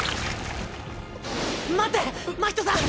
待って真人さん！